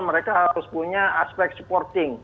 mereka harus punya aspek supporting